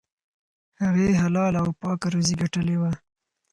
هغې حلاله او پاکه روزي ګټلې وه.